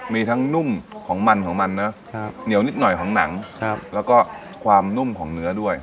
มีทั้งนุ่มของมันของมันนะเหนียวนิดหน่อยของหนังแล้วก็ความนุ่มของเนื้อด้วย